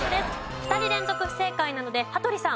２人連続不正解なので羽鳥さん